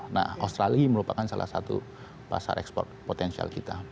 nah australia merupakan salah satu pasar ekspor potensial kita